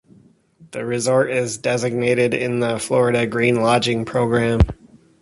The resort is designated in the Florida Green Lodging Program.